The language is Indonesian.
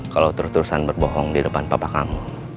kalau terus terusan berbohong di depan papa kamu